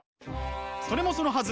それもそのはず！